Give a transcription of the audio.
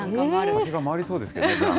お酒が回りそうですけどね。